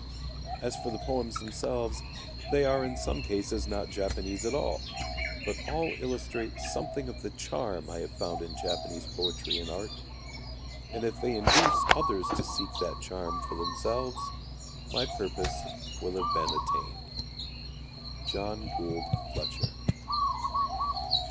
As for the poems themselves they are in some cases not Japanese at all, but all illustrate something of the charm I have found in Japanese poetry and art. And if they induce others to seek that charm for themselves, my purpose will have been attained. JOHN GOULD FLETCHER.